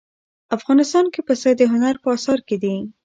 افغانستان کې پسه د هنر په اثار کې دي.